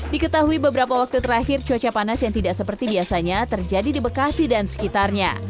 diketahui beberapa waktu terakhir cuaca panas yang tidak seperti biasanya terjadi di bekasi dan sekitarnya